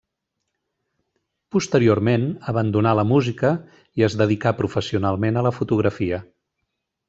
Posteriorment, abandonà la música i es dedicà professionalment a la fotografia.